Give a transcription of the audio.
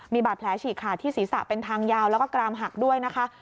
มีบาดแผลฉีกขาดที่ศีรษะเป็นทางยาวแล้วก็กรามหักด้วยนะคะ